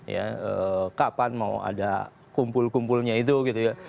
ya kapan mau ada kumpul kumpulnya itu gitu ya